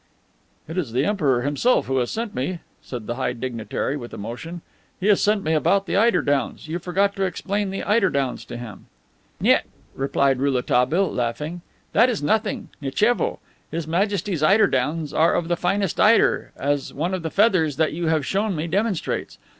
"It is the Emperor himself who has sent me," said the high dignitary with emotion. "He has sent me about the eider downs. You forgot to explain the eider downs to him." "Niet!" replied Rouletabille, laughing. "That is nothing. Nitchevo! His Majesty's eider downs are of the finest eider, as one of the feathers that you have shown me demonstrates.